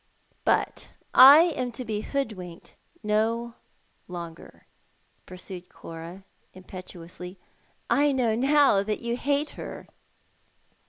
" But I am to be hoodwinked no longer," pursued Cora im petuously. " I know now that you hate her."